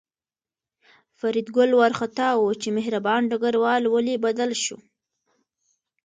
فریدګل وارخطا و چې مهربان ډګروال ولې بدل شو